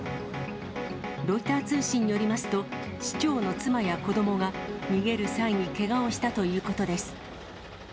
ロイター通信によりますと、市長の妻や子どもが逃げる際にけがをしたということです。